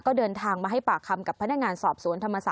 ก็เดินทางมาให้ปากคำกับพนักงานสอบสวนธรรมศาส